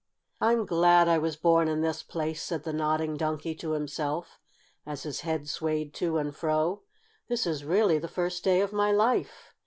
"I'm glad I was born in this place," said the Nodding Donkey to himself, as his head swayed to and fro. "This is really the first day of my life.